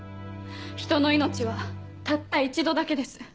人の命はたった一度だけです。